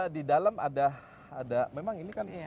di dalam ada memang ini kan